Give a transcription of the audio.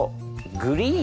グリーン。